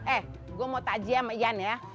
eh gua mau takji sama iyan ya